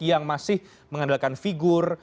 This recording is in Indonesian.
yang masih mengandalkan figur